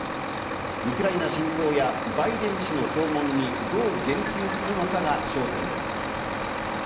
ウクライナ侵攻やバイデン氏の訪問に、どう言及するのかが焦点です。